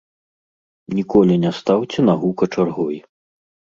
Ніколі не стаўце нагу качаргой.